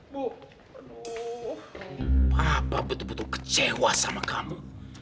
bapak betul betul kecewa sama kamu